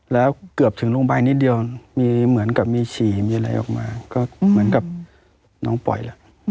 แล้วเกือบถึงโรงพยาบาลนิดเดียวมีเหมือนกับมีฉี่มีอะไรออกมาก็เหมือนกับน้องปล่อยแล้ว